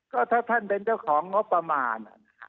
ก็ถ้าท่านเป็นเจ้าของงบประมาณ